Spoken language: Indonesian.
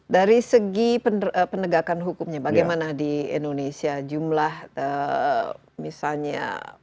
dari segi penegakan hukumnya bagaimana di indonesia jumlah misalnya